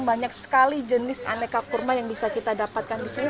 banyak sekali jenis aneka kurma yang bisa kita dapatkan di sini